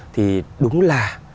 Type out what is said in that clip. thì đúng là